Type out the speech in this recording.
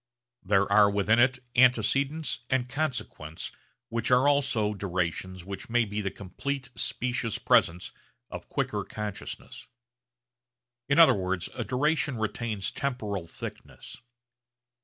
There are within it antecedents and consequents which are also durations which may be the complete specious presents of quicker consciousnesses. In other words a duration retains temporal thickness.